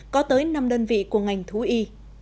có tới năm đơn vị của ngành thú y